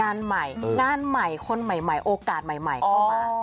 งานใหม่งานใหม่คนใหม่โอกาสใหม่เข้ามา